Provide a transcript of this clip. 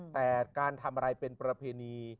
แต่การทำอะไรเป็นประเพณี